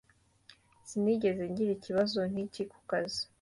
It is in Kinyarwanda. Sinigeze ngira ikibazo nkiki ku kazi.